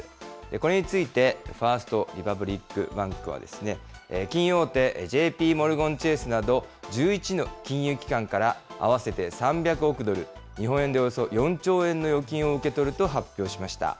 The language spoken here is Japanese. これについて、ファースト・リパブリック・バンクは、金融大手、ＪＰモルガン・チェースなど、１１の金融機関から合わせて３００億ドル、日本円でおよそ４兆円の預金を受け取ると発表しました。